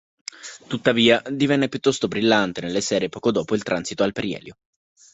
Tuttavia, divenne piuttosto brillante nelle sere poco dopo il transito al perielio.